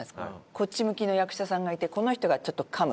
こっち向きの役者さんがいてこの人がちょっとかむ。